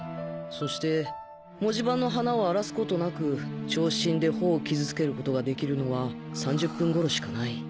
そして文字盤の花を荒らすことなく長針で頬を傷つけることができるのは３０分頃しかない。